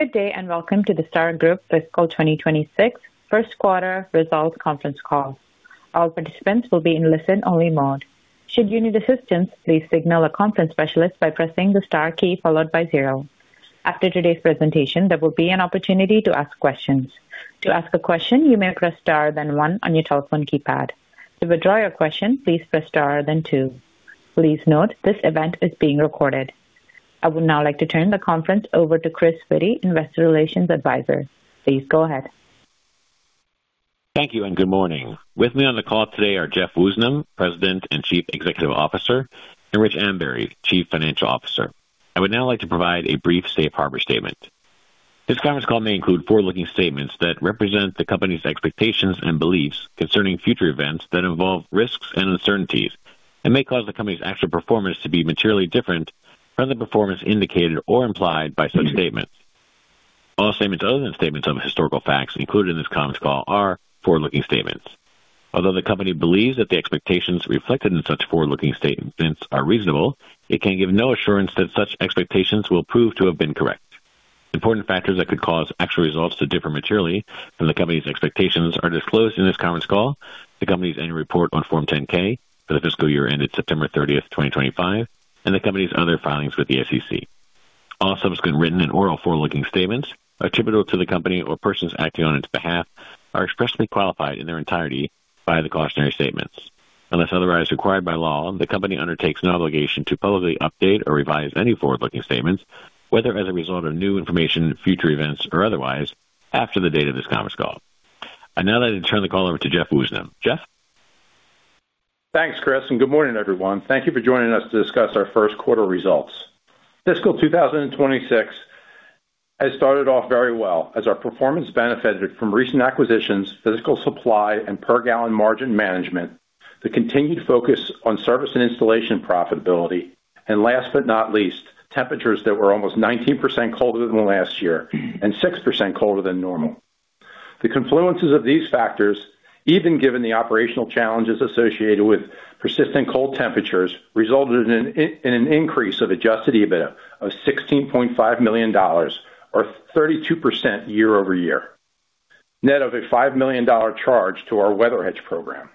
Good day and welcome to the Star Group fiscal 2026 First Quarter Results Conference Call. All participants will be in listen-only mode. Should you need assistance, please signal a conference specialist by pressing the star key followed by zero. After today's presentation, there will be an opportunity to ask questions. To ask a question, you may press star then one on your telephone keypad. To withdraw your question, please press star then two. Please note, this event is being recorded. I would now like to turn the conference over to Chris Witty, investor relations advisor. Please go ahead. Thank you and good morning. With me on the call today are Jeff Woosnam, President and Chief Executive Officer, and Rich Ambury, Chief Financial Officer. I would now like to provide a brief safe harbor statement. This conference call may include forward-looking statements that represent the company's expectations and beliefs concerning future events that involve risks and uncertainties and may cause the company's actual performance to be materially different from the performance indicated or implied by such statements. All statements other than statements of historical facts included in this conference call are forward-looking statements. Although the company believes that the expectations reflected in such forward-looking statements are reasonable, it can give no assurance that such expectations will prove to have been correct. Important factors that could cause actual results to differ materially from the company's expectations are disclosed in this conference call, the company's annual report on Form 10-K for the fiscal year ended September 30th, 2025, and the company's other filings with the SEC. All subsequent written and oral forward-looking statements attributable to the company or persons acting on its behalf are expressly qualified in their entirety by the cautionary statements. Unless otherwise required by law, the company undertakes no obligation to publicly update or revise any forward-looking statements, whether as a result of new information, future events, or otherwise, after the date of this conference call. I now like to turn the call over to Jeff Woosnam. Jeff? Thanks, Chris, and good morning, everyone. Thank you for joining us to discuss our first quarter results. Fiscal 2026 has started off very well as our performance benefited from recent acquisitions, physical supply, and per-gallon margin management, the continued focus on service and installation profitability, and last but not least, temperatures that were almost 19% colder than last year and 6% colder than normal. The confluences of these factors, even given the operational challenges associated with persistent cold temperatures, resulted in an increase of Adjusted EBITDA of $16.5 million or 32% year-over-year, net of a $5 million charge to our weather hedge program.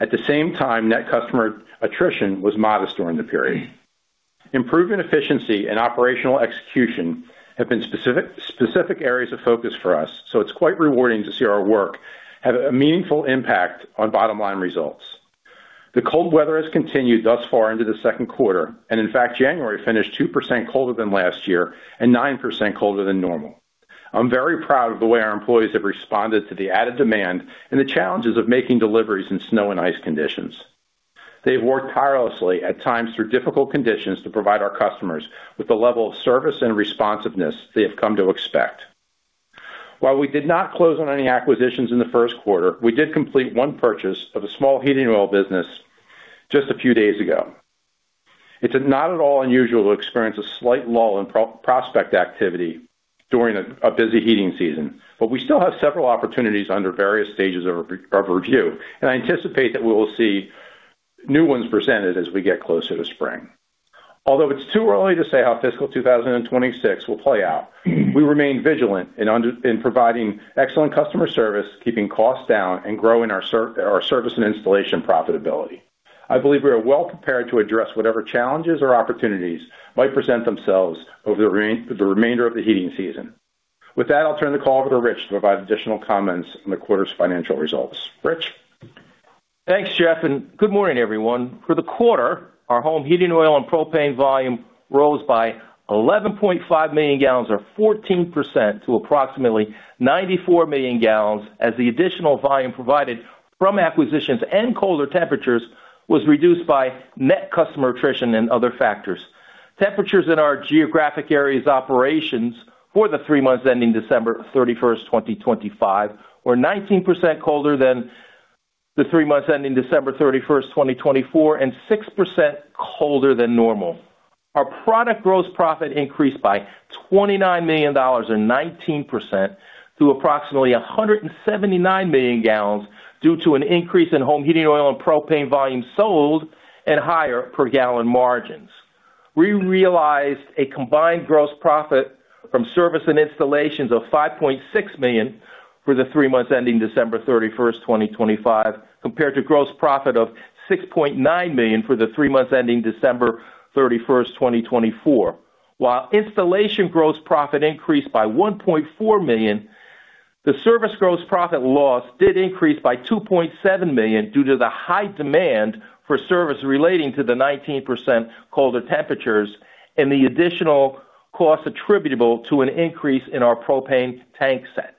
At the same time, net customer attrition was modest during the period. Improving efficiency and operational execution have been specific areas of focus for us, so it's quite rewarding to see our work have a meaningful impact on bottom-line results. The cold weather has continued thus far into the second quarter, and in fact, January finished 2% colder than last year and 9% colder than normal. I'm very proud of the way our employees have responded to the added demand and the challenges of making deliveries in snow and ice conditions. They have worked tirelessly, at times through difficult conditions, to provide our customers with the level of service and responsiveness they have come to expect. While we did not close on any acquisitions in the first quarter, we did complete one purchase of a small heating oil business just a few days ago. It's not at all unusual to experience a slight lull in prospect activity during a busy heating season, but we still have several opportunities under various stages of review, and I anticipate that we will see new ones presented as we get closer to spring. Although it's too early to say how Fiscal 2026 will play out, we remain vigilant in providing excellent customer service, keeping costs down, and growing our service and installation profitability. I believe we are well prepared to address whatever challenges or opportunities might present themselves over the remainder of the heating season. With that, I'll turn the call over to Rich to provide additional comments on the quarter's financial results. Rich? Thanks, Jeff, and good morning, everyone. For the quarter, our home heating oil and propane volume rose by 11.5 million gallons or 14% to approximately 94 million gallons as the additional volume provided from acquisitions and colder temperatures was reduced by net customer attrition and other factors. Temperatures in our geographic area's operations for the three months ending December 31st, 2025, were 19% colder than the three months ending December 31st, 2024, and 6% colder than normal. Our product gross profit increased by $29 million or 19% to approximately $179 million due to an increase in home heating oil and propane volume sold and higher per-gallon margins. We realized a combined gross profit from service and installations of $5.6 million for the three months ending December 31st, 2025, compared to gross profit of $6.9 million for the three months ending December 31st, 2024. While installation gross profit increased by $1.4 million, the service gross profit loss did increase by $2.7 million due to the high demand for service relating to the 19% colder temperatures and the additional costs attributable to an increase in our propane tank sets.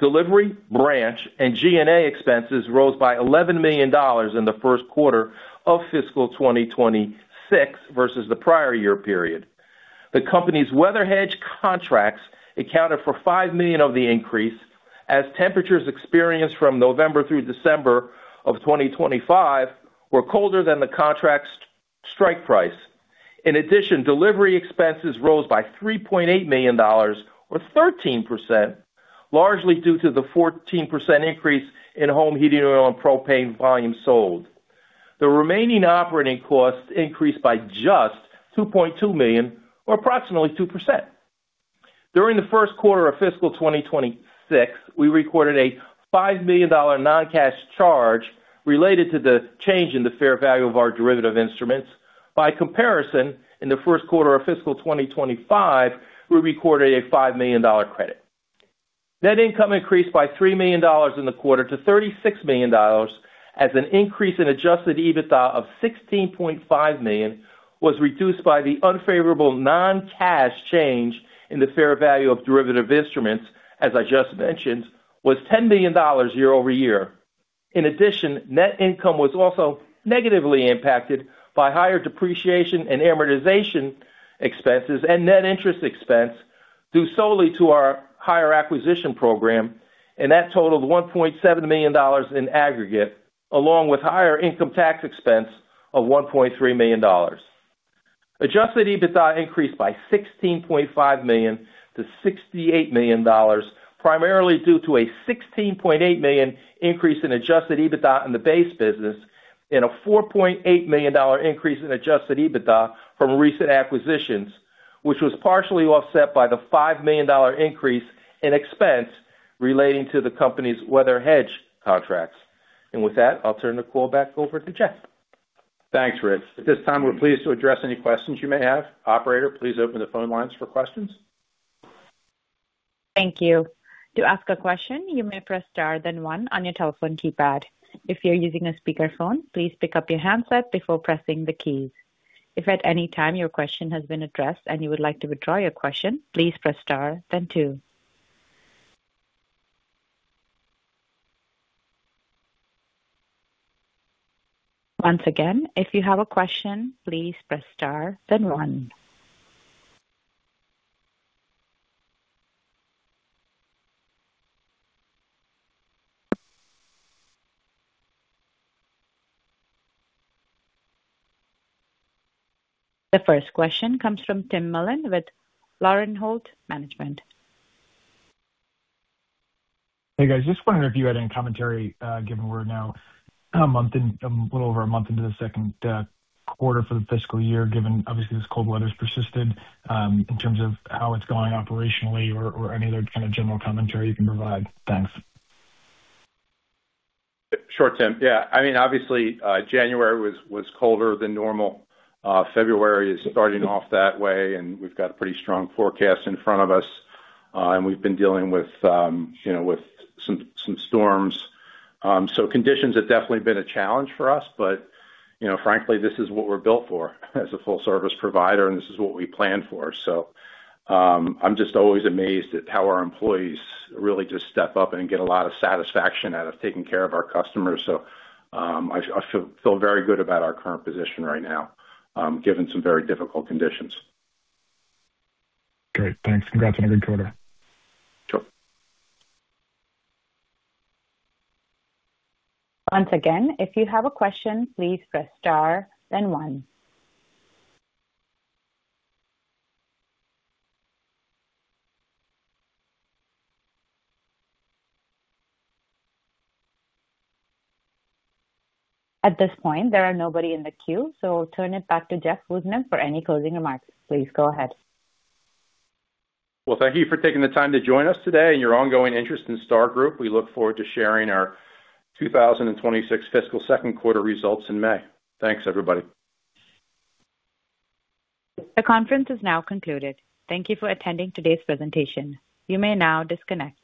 Delivery, branch, and G&A expenses rose by $11 million in the first quarter of fiscal 2026 versus the prior year period. The company's weather hedge contracts accounted for $5 million of the increase as temperatures experienced from November through December of 2025 were colder than the contract's strike price. In addition, delivery expenses rose by $3.8 million or 13%, largely due to the 14% increase in home heating oil and propane volume sold. The remaining operating costs increased by just $2.2 million or approximately 2%. During the first quarter of fiscal 2026, we recorded a $5 million non-cash charge related to the change in the fair value of our derivative instruments. By comparison, in the first quarter of fiscal 2025, we recorded a $5 million credit. Net income increased by $3 million in the quarter to $36 million as an increase in Adjusted EBITDA of $16.5 million was reduced by the unfavorable non-cash change in the fair value of derivative instruments, as I just mentioned, was $10 million year-over-year. In addition, net income was also negatively impacted by higher depreciation and amortization expenses and net interest expense due solely to our higher acquisition program, and that totaled $1.7 million in aggregate, along with higher income tax expense of $1.3 million. Adjusted EBITDA increased by $16.5 million to $68 million, primarily due to a $16.8 million increase in adjusted EBITDA in the base business and a $4.8 million increase in adjusted EBITDA from recent acquisitions, which was partially offset by the $5 million increase in expense relating to the company's weather hedge contracts. With that, I'll turn the call back over to Jeff. Thanks, Rich. At this time, we're pleased to address any questions you may have. Operator, please open the phone lines for questions. Thank you. To ask a question, you may press star then one on your telephone keypad. If you're using a speakerphone, please pick up your handset before pressing the keys. If at any time your question has been addressed and you would like to withdraw your question, please press star then two. Once again, if you have a question, please press star then one. The first question comes from Tim Mullen with Laurelton Management. Hey, guys. Just wanted to hear any commentary, given we're now a month and a little over a month into the second quarter for the fiscal year, given obviously this cold weather's persisted, in terms of how it's going operationally or any other kind of general commentary you can provide. Thanks. Sure, Tim. Yeah. I mean, obviously, January was colder than normal. February is starting off that way, and we've got a pretty strong forecast in front of us, and we've been dealing with some storms. So conditions have definitely been a challenge for us, but frankly, this is what we're built for as a full-service provider, and this is what we plan for. So I'm just always amazed at how our employees really just step up and get a lot of satisfaction out of taking care of our customers. So I feel very good about our current position right now, given some very difficult conditions. Great. Thanks. Congrats on a good quarter. Sure. Once again, if you have a question, please press star then one. At this point, there are nobody in the queue, so I'll turn it back to Jeff Woosnam for any closing remarks. Please go ahead. Well, thank you for taking the time to join us today and your ongoing interest in Star Group. We look forward to sharing our 2026 fiscal second quarter results in May. Thanks, everybody. The conference is now concluded. Thank you for attending today's presentation. You may now disconnect.